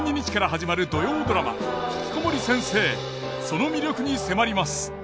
その魅力に迫ります。